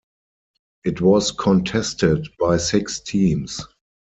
It was contested by six teams.